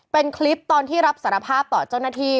เป็นคลิปตอนที่รับสารภาพต่อเจ้าหน้าที่